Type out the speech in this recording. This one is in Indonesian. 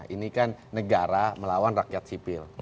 ini kan negara melawan rakyat sipil